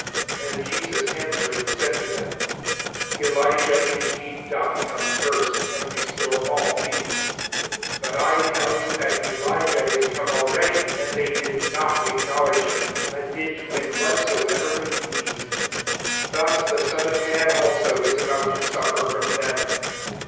11 And [Jesu»^ answering, said to themy ^< Elijah indeed doth come [firat]^ and restore all things. 12 Aat I tell you, that Elijah is come already ; and they did not acknowledge him, but did to him whatsoever they pleas ed : thus the Son of man also is about to suffer from them.''